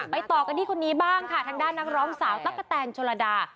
ต่อกันที่คนนี้บ้างค่ะทางด้านนักร้องสาวตั๊กกะแตนโชลดา